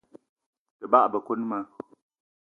Te bagbe koni ma.